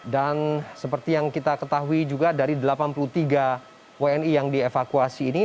dan seperti yang kita ketahui juga dari delapan puluh tiga wni yang dievakuasi ini